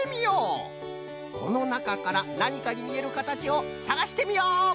このなかからなにかにみえるかたちをさがしてみよう！